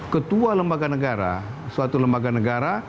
ketua lembaga negara suatu lembaga negara